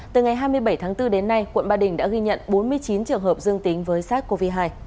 từ ngày hai mươi bảy tháng bốn đến nay quận ba đình đã ghi nhận bốn mươi chín trường hợp dương tính với sars cov hai